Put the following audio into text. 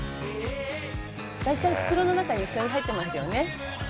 「大体袋の中に一緒に入ってますよね」